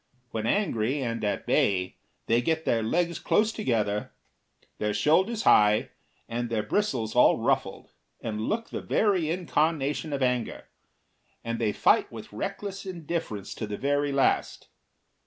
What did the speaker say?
When angry and at bay, they get their legs close together, their shoulders high, and their bristles all ruffled and look the very incarnation of anger, and they fight with reckless indifference to the very last.